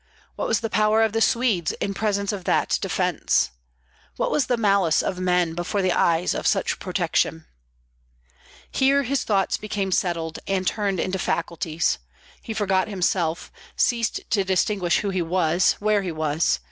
what was the power of the Swedes in presence of that defence? what was the malice of men before the eyes of such protection? Here his thoughts became settled, and turned into faculties; he forgot himself, ceased to distinguish who he was, where he was.